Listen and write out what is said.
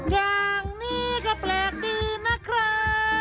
อย่างนี้ก็แปลกดีนะครับ